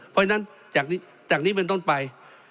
เพราะฉะนั้นจากนี้เป็นต้นไป